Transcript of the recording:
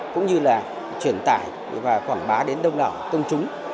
cũng như là truyền tải và quảng bá đến đâu nào tôn trúng